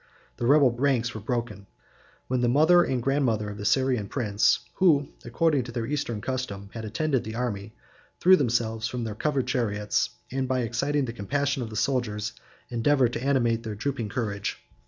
The rebel ranks were broken; when the mother and grandmother of the Syrian prince, who, according to their eastern custom, had attended the army, threw themselves from their covered chariots, and, by exciting the compassion of the soldiers, endeavored to animate their drooping courage.